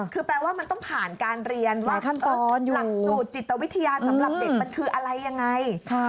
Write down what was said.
คือแปลว่ามันต้องผ่านการเรียนว่าขั้นตอนหลักสูตรจิตวิทยาสำหรับเด็กมันคืออะไรยังไง